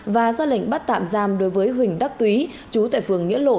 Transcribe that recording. và ra lệnh bắt tạm giam đối với huỳnh đắc túy chú tại phường nghĩa lộ